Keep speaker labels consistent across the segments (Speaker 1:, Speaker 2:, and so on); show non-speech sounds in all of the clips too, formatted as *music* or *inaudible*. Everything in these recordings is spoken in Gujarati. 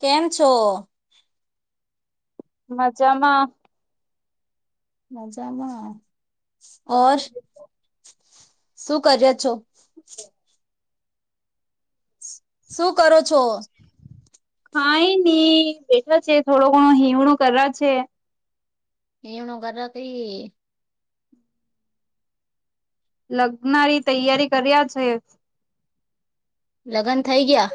Speaker 1: કેમ છો
Speaker 2: મજામાં
Speaker 1: મજામાં ઓર શું કર્યો છો. શું કરો છો.
Speaker 2: કાય ની બેઠા છે થોડો ઘણો હીવણું કરા છે.
Speaker 1: હોવું કરે તે ઈ
Speaker 2: લગ્નારી તૈયારી કર્યા છે.
Speaker 1: લગ્ન થઈ ગયા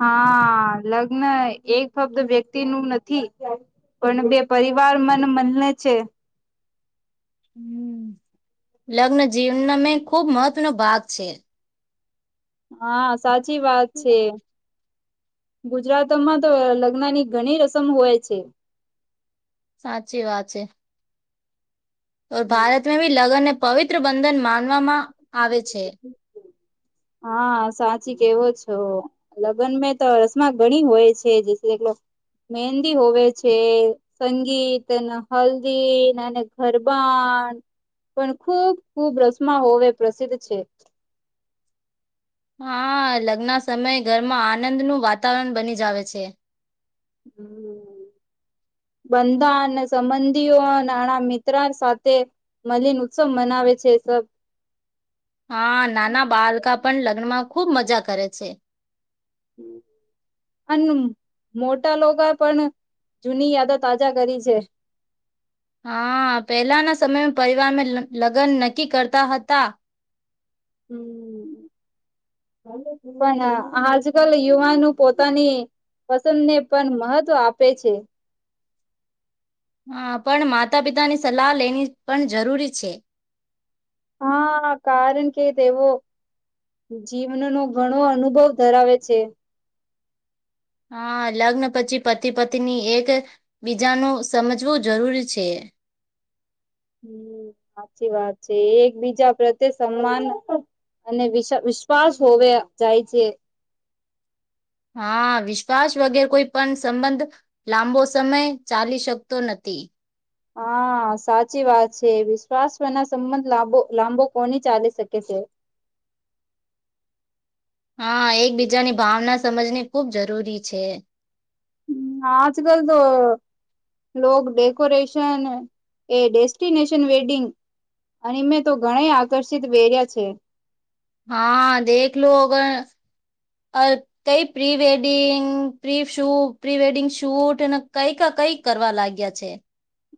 Speaker 2: હા લગ્ન એક ફક્ત વ્યક્તિનું નથી. પણ બે પરિવાર મન મનને છે.
Speaker 1: લગ્ન જીવન મેં ખુબ મહત્વનો ભાગ છે.
Speaker 2: હા સાચી વાત છે. ગુજરાતમાં તો લગ્નની ઘણી રસમ હોય છે.
Speaker 1: સાચી વાત છે. તો ભારતમાં બી લગ્નને પવિત્ર બંધન માનવામાં આવે છે.
Speaker 2: હા સાચી કેવો છો લગ્ન મેં તો રસમાં ઘણી હોય છે જે મહંદી હોવે છે સંગીત હલ્દી ને ગરબા પણ ખૂબ ખૂબ રસમાવે પ્રસિદ્ધ છે.
Speaker 1: હા લગ્ન સમયે ઘરમાં આનંદનું વાતાવરણ બની જાવ છે.
Speaker 2: હમ. બંધા અને સંબંધીઓ નાના મિત્ર સાથે મલિન ઉત્સવ મનાવે છે એ સબ
Speaker 1: હા નાના બાળકા પણ લગ્નમાં ખૂબ મજા કરે છે.
Speaker 2: હમ. અને મોટા લોકો પણ જૂની યાદ તાજા કરી છે.
Speaker 1: હા પહેલાના સમયમાં પરિવારને લગ્ન નક્કી કરતા હતા.
Speaker 2: હમ. પણ આજકાલ યુવાનું પોતાની પસંદને પણ મહત્વ આપે છે.
Speaker 1: હા પણ માતા પિતાની સલાહ લેની પણ જરૂરી છે.
Speaker 2: હા કારણ કે તેવો જીવનનોો ઘણો અનુભવ ધરાવે છે.
Speaker 1: હા લગ્ન પછી પતિ પતિની એક બીજાનું સમજવું જરૂરી છે *inaudible*
Speaker 2: હમ સાચી વાત છે એકબીજા પ્રત્યે સમાન અને વિશ વિશ્વાસ હોવે જાય છે.
Speaker 1: હા વિશ્વાસ વગેરે કોઈ પણ સંબંધ લાંબો સમય ચાલી શકતો નથી. તે *unintelligible*
Speaker 2: હા સાચી વાત છે વિશ્વાસ ના સંબંધ લાંબો લાંબો કોની ચાલી શકે છે.
Speaker 1: હ *unintelligible* હા એકબીજાની ભાવના સમજની ખૂબ જરૂરી છે.
Speaker 2: હમ આજ કલ તો લોગ ડેકોરેશન એ ડેસ્ટિનેશન વેડિંગ અન મેં તો ઘણેય આકર્ષિત વેર્યા છે.
Speaker 1: હા દેખ લો અગર અ કઈ પ્રી વેડિંગ પ્રી શૂ પ્રી વેડિંગ શૂટ અને કઈ ક કઈક કરવા લાગ્યા છે.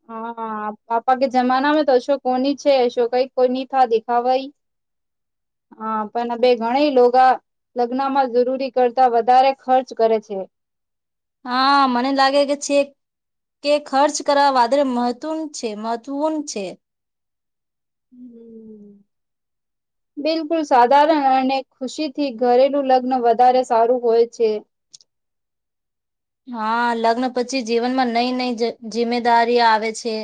Speaker 2: હા પાપા કે જમાનામાં તો અશોક કોની છે અશોકઈ કોની થ દેખાવાઈ
Speaker 1: *inaudible*
Speaker 2: હા પણ બે ઘણી લોગા લગ્નમાં જરૂરી કરતા વધારે ખર્ચ કરે છે.
Speaker 1: હા મને લાગે કે છે. કે ખર્ચ કરવા વાદળ મહત્ છે મહત્વૂર્ છે.
Speaker 2: હમ હમ.
Speaker 1: *inaudible*
Speaker 2: બિલકુલ સાધારણ અને ખુશીથી ઘરેલું લગ્ન વધારે સારું હોય છે.
Speaker 1: *inaudible* હા લગ્ન પછી જીવનમાં નઈ નઈ જિમ્મેદારી આવે છે.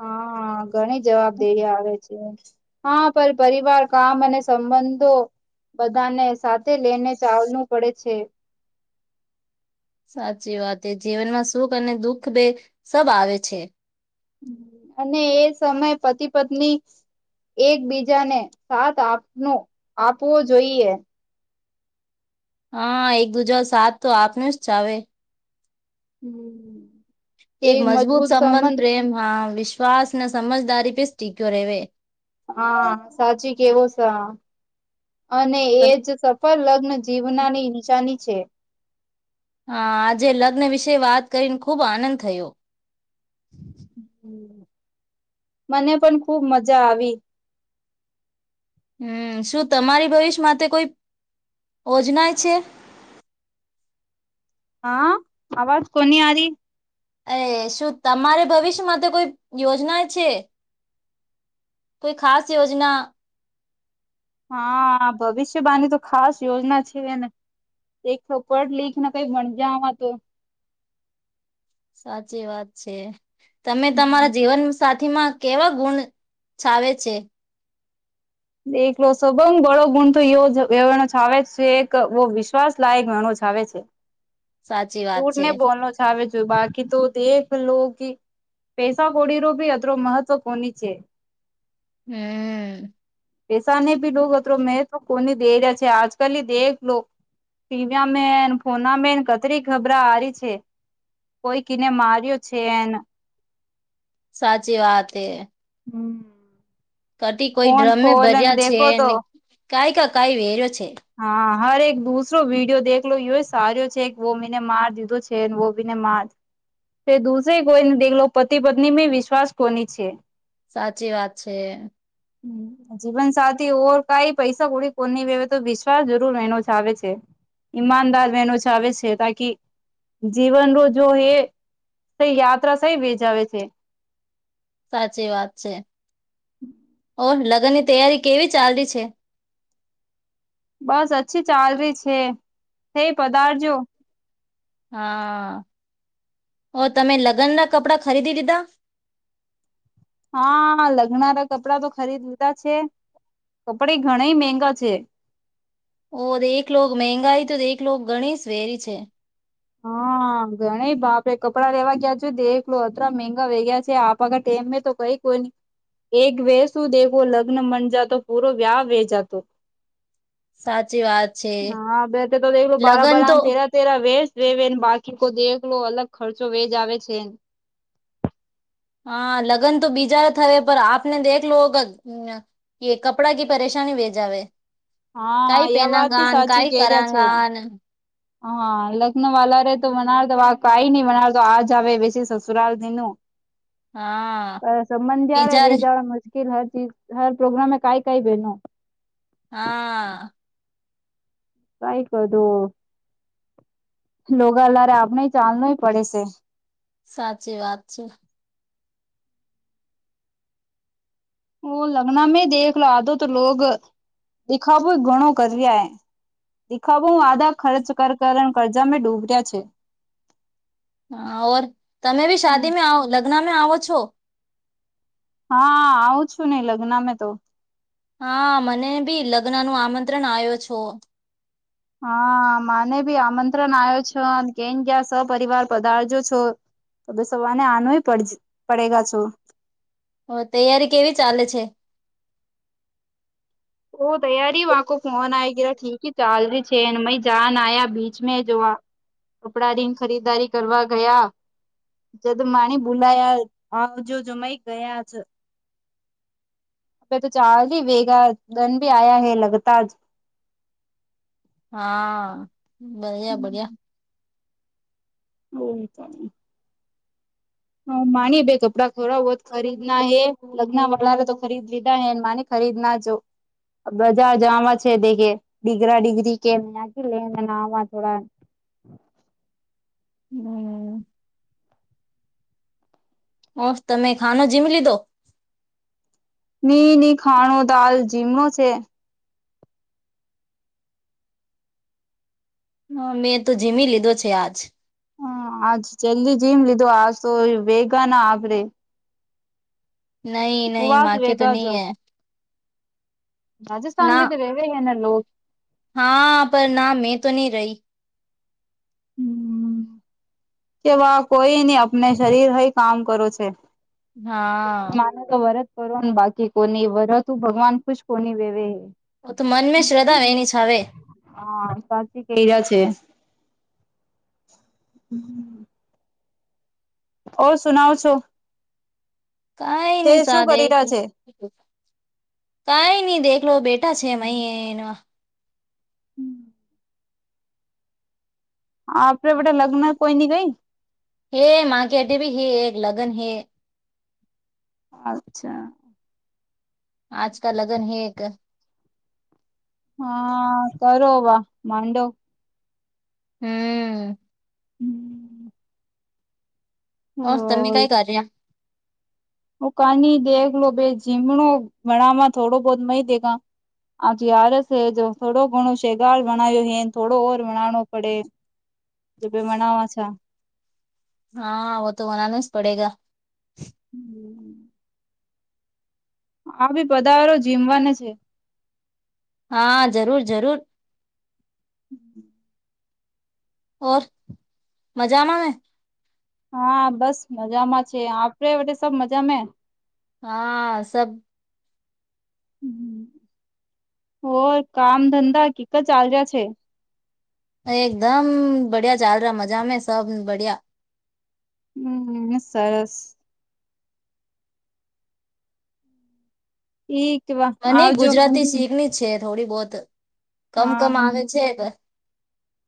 Speaker 2: હા ઘણી જવાબદેરી આવે છે. હા પણ પરિવાર કામ અને સંબંધો બધાને સાથે લઈને ચાલલું પડે છે.
Speaker 1: *inaudible* સાચી વાત એ જીવનમાં સુખ અને દુઃખ બે સબ આવે છે.
Speaker 2: અને એ સમયે પતિ પત્ની એકબીજાને સાથ આપ આપવો જોઈએ.
Speaker 1: હા એક દુજા સાથ તો આપને જ ચાવે
Speaker 2: હમ.
Speaker 1: એક મજબૂત સંબંધ પ્રેમ હ વિશ્વાસ ના સમજદારી પ સ્ટીક્યો રેવે
Speaker 2: હા સાચી કેવો છે અને એ જ સફળ લગ્ન જીવનાની નિશાની છે
Speaker 1: હ આજે લગ્ન વિશે વાત કરીને ખૂબ આનંદ થયો
Speaker 2: મને પણ ખૂબ મજા આવી
Speaker 1: હમ શું તમારી ભવિષ્ય માટે કોઈ યોજના છે *unintelligible* *inaudible*
Speaker 2: હા અવાજ કોની આ રરી
Speaker 1: અરે શું તમારે ભવિષ્ય માટે કોઈ યોજના છે કોઈ ખાસ યોજના
Speaker 2: હા ભવિષ્ય બાાની તો ખાસ યોજના છે એને એક પઢ લખને કઈ મણજામાં તો
Speaker 1: સાચી વાત છે તમે તમારા જીવન સાચ થીમાં કેવા ગુણ છાવે છે
Speaker 2: એકલો સબંગ બળો ગુણ તો એો છાવે જ છે એક બહ વિશ્વાસ લાયક વણો છે આવે છે
Speaker 1: સાચી વાત
Speaker 2: ચૂટ
Speaker 1: છે
Speaker 2: ને બોલલો છ આવે જોય બાકી તો દેખ લો કે પેસા કોડીરો ભી અત્ર મહત્વ કોની છે
Speaker 1: હમ
Speaker 2: પૈસા ન ભી લો અત્ર મેં તો કોને દ જ છે આજકાલલી દલો ટીવીિયા મ ફોના મ અતરી ખબરા આરી છે કોઈ કીને માર્યો છે એ
Speaker 1: સાચી વાત એ
Speaker 2: હમ
Speaker 1: કતિ કોઈ ડ્રમે ભર્યા છેને કઈ ક કઈ વેર્યો છે
Speaker 2: હા હરે એક દુસરો વિડીિયો દેખલો યોય સાર્યો છે વો બીને માર દીધો છે વો બીને માર તે દૂસેરે કોઈને દેખલો પતિ પત્ની મે વિશ્વાસ કોની છે
Speaker 1: સાચી વાત છે
Speaker 2: જીવનસાથી ઓર કઈ પૈસા પૂડી કોની વ્યવસ્થા તો વિશ્વાસ જરૂર વનો ચાવ છે ઈમાનદાર વનો ચ આવે છે તાકી જીવન રજ એ યાત્રા સહી વેજાવે છે
Speaker 1: સાચી વાત છે
Speaker 2: હમ
Speaker 1: ઓ લગ્ન ની તૈયારી કેવી ચાલલી છે
Speaker 2: બસ અછી ચાલ ર છે હે પધારજો
Speaker 1: હા ઓ તમે લગ્નનાં કપડાં ખરીદી દીધા
Speaker 2: હા લગ્નારા કપડાં તો ખરીદ લીધા છે કપડા ઘણા મગા છે
Speaker 1: ઓ દ એકલો મંગાઈ તો દ એકલો ઘણી વેરી છે
Speaker 2: હા ગણ બાપડે કપડાં લેવા ગયા છ દેખલો અતરા મંગા વે ગયા છે આપ આગળ મ તો કઈક કોન એક વે શું દેખો લગ્ન મન જાતો પૂરો વ્યાહ વે જાતો
Speaker 1: સાચી વાત છે
Speaker 2: હા બેટ તો દેખ બાર
Speaker 1: લગન
Speaker 2: બારા
Speaker 1: તો
Speaker 2: તેરા તેરા વેસ બાકી કો દેલો અલગ ખર્ચો વેજ આવે છે
Speaker 1: હા લગ્ન તો બીજા થવે પણ આપ આપને દેખ લોગ કે કપડા ક પરેશાન ભેજવે
Speaker 2: હા
Speaker 1: કઈ
Speaker 2: આ
Speaker 1: પહેના
Speaker 2: વાત બી
Speaker 1: ગાન
Speaker 2: સાચી
Speaker 1: કઈ
Speaker 2: કે
Speaker 1: કર
Speaker 2: રહ્યા છે.
Speaker 1: ગાન
Speaker 2: હા લખ્ન વાલારે તો મનારતો કઈ નઈ મનારતો આજ આવે બે સસુરાાલ ન પણ સંબંધ જ્યારે બે દાડા મુશ્કેલી હોય. હર પ્રોગ્રમે કંઈ કંઈ બેનો.
Speaker 1: હા.
Speaker 2: કાઈ બધું. લોગાલરે આપને ચાલનોય પડે છે.
Speaker 1: સાચી વાત છે.
Speaker 2: ઓ લગ્ના મે દેખ લ તો તો લ *inaudible* દેખાવો ઘણો કર્યા એ. દેખાવો હ આધા ખર્ચ કર કરણ કરજા મે ડૂબર્યા છે.
Speaker 1: હ, ઓર તમે બી શાદી લગ્નમાં આવો છો?
Speaker 2: હા આવું છું, નઈ લગ્ન મે તો.
Speaker 1: હા, મને ભી લગ્ન નું આમંત્રણ આવ્યો છો.
Speaker 2: હા, મને ભી આમંત્રણ આવ્યો છે. કેમ, ક્યાં સપરિવાર પધારજો છો. *inaudible* તો સવારને આનું પડ પડેગ છો *inaudible*
Speaker 1: હ, તૈયારી કેવી ચાલે છે?
Speaker 2: ઓ તૈયારી વા ફોન આય ગરા ઠીક હ ચાલ ર છેન જાન આયા બીચ મે જો આ *inaudible* કપડા રિંગ ખરીદારી કરવા ગયા. જે તો માની બોલાયા હજ જમાઈ ગયા છે. *unintelligible* *inaudible*
Speaker 1: હા, બઢીયા બઢીયા.
Speaker 2: *unintelligible* હ માની ભાઈ કપડા થોરા બોત ખરીદ ના હે લગ્નંવા *inaudible* રે તો ખરીદ લીધા ને માં ખરીદના જો. *inaudible*
Speaker 1: હમ. ઓ તમે ખાનો જીમ લીધો *inaudible*
Speaker 2: ની ની ખાણો દાલ જીમ જ છે *inaudible*
Speaker 1: હા, મેં તો જીમી લીધો છે આજ.
Speaker 2: હ આજ જલ્દી જીમ લીધો આજ તો ભેગા ના આપરેે *inaudible*
Speaker 1: નહી નહી માકે તો
Speaker 2: વેગા
Speaker 1: નહી
Speaker 2: જો
Speaker 1: હે *inaudible*
Speaker 2: રાજસ્થાન *inaudible*
Speaker 1: હા, પર ના મેં તો નહી રહી.
Speaker 2: હમ. કેવા કોઈ નહીં આપને શરીર હય કામ કરો છે.
Speaker 1: હા.
Speaker 2: કરોન બાકી કોની વર તું ભગવાન કુંછ કોની વેવે હે *inaudible*
Speaker 1: ઓ તો મનમાં શ્રદ્ધા એની છે.
Speaker 2: હા, સાચી કહ્યા જ છે. ઓ સુનાઉ છો *inaudible* છે
Speaker 1: કઈ
Speaker 2: શું
Speaker 1: દે
Speaker 2: કરી રહ્યા છે
Speaker 1: કઈ નહી દેખલો બેટા *inaudible* *inaudible*
Speaker 2: હમ. હા.
Speaker 1: હે માગ અઢભી હે એક લગન હે *inaudible*
Speaker 2: અચ્છા.
Speaker 1: આજકા લગ્ન હે એક *inaudible*
Speaker 2: હા કરોવા માંડો *inaudible*
Speaker 1: હમ. હ તમી કઈ કરર્યા *inaudible*
Speaker 2: હું કાની દેખલો ભજીમણો ભણામાં થોડો બહુત મહી દે કા *inaudible* આજ અગયારસ હેજ થોડો ઘણો શેગાર વણાય્યો હે થોડો ઓર વણણો પડે જો ભે મનાવા છે
Speaker 1: હા વ તો બનાના જ પડેગ
Speaker 2: હમ આ બી પધારો જીમવાને છે
Speaker 1: હા જરૂર જરૂર
Speaker 2: હમ
Speaker 1: ઓ મજામાં ને
Speaker 2: હા બસ મજામાં છે આપડે વ સબ મજા મે
Speaker 1: હા સબ *inaudible*
Speaker 2: હો કામ ધંધા ક ચાલ રહ્યા છે
Speaker 1: એકદમ બડિયા ચાલ ર મજા મે સબ બઢિયા
Speaker 2: હમ સરસ એ
Speaker 1: મને ગુજરાતી શીખની છે થોડી બહુત કમ કમ
Speaker 2: હા
Speaker 1: આવે છે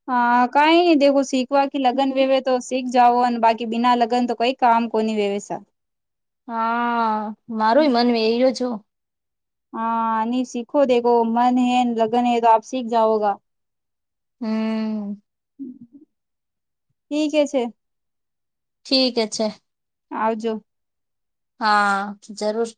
Speaker 2: હા કઈ ન દેખો શીખવા કે લગન વેવે તો શીખ જાઓ અને બાકી બિના લગન તો કોઈ કામ કોને વેવેસા
Speaker 1: હા મારું મન એ્યો છો
Speaker 2: હા ન સીખો દેખો મન હૈ લગન હૈ તો આપ સીખ જાઓગા
Speaker 1: હમ
Speaker 2: ઠીકે છે
Speaker 1: ઠીક હ છે
Speaker 2: આવજો
Speaker 1: હા જરૂર